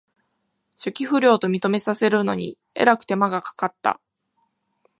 初期不良と認めさせるのにえらく手間がかかった